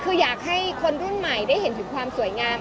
คืออยากให้คนรุ่นใหม่ได้เห็นถึงความสวยงาม